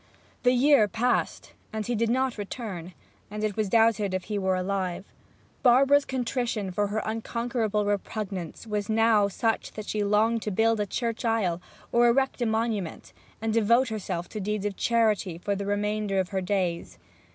The year passed, and he did not return; and it was doubted if he were alive. Barbara's contrition for her unconquerable repugnance was now such that she longed to build a church aisle, or erect a monument, and devote herself to deeds of charity for the remainder of her days.